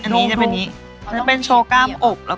นี้เป็นโชว์กล้ามหน้า